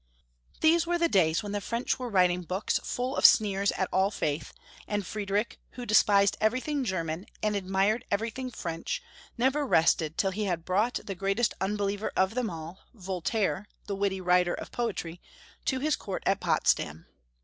These were the days when the French were writing books full of sneers at all faith, and Friedrich, who despised everything German and admired every thing French, never rested till he had brought the greatest unbeliever of them all, Voltaire, the witty writer of poetry, to his court at Potsdam.